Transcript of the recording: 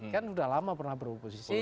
kan sudah lama pernah beroposisi